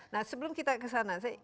nah sebelum kita kesana